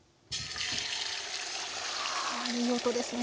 あいい音ですね。